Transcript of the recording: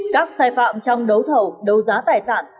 các sai phạm trong đấu thầu đấu giá tài sản